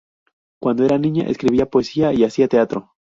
Cuando era niña, escribía poesía y hacía teatro.